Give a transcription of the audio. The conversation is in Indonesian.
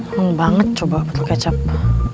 emang banget coba butuh kecap